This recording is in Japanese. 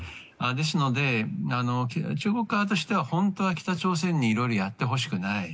ですので、中国側としては本当は北朝鮮にいろいろやってほしくない。